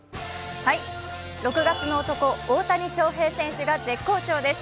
６月の男、大谷翔平選手が絶好調です。